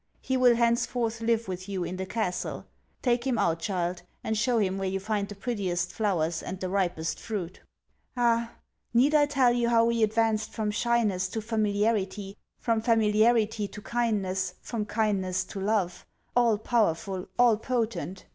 He will henceforth live with you in the castle. Take him out child; and show him where you find the prettiest flowers and the ripest fruit.' Ah! need I tell you how we advanced from shyness to familiarity, from familiarity to kindness, from kindness to love, all powerful, all potent!